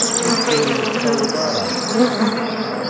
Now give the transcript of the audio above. Ur yettaweḍ ara.